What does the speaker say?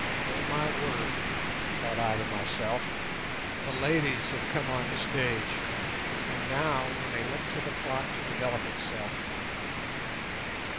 "Oh, my word!" thought I to myself, "the ladies have come on the stage, and now we may look to the plot to develop itself."